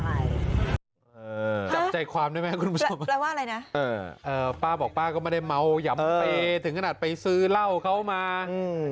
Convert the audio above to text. จับใจความได้ไหมคุณผู้ชมแปลว่าอะไรนะป้าบอกป้าก็ไม่ได้เมาหย่ำเปย์ถึงขนาดไปซื้อเหล้าเขามาอืม